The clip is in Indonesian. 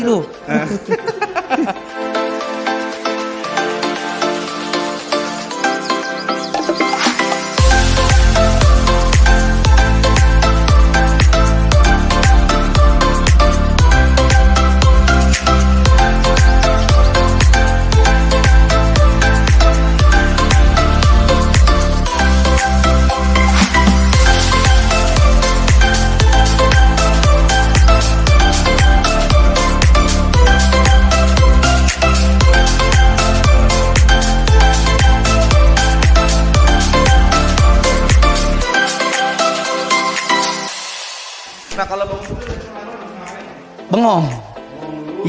nah kalau bang menteri ngecat kan yang kemarin mau ngapain